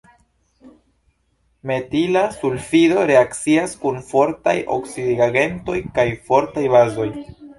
Metila sulfido reakcias kun fortaj oksidigagentoj kaj fortaj bazoj.